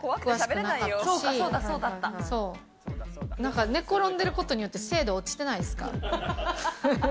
なんか寝転んでることによって精度落ちてないですか？